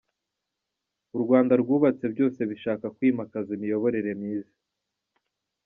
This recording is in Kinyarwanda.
u Rwanda rwubatse byose bishaka kwimakaza imiyoborere myiza.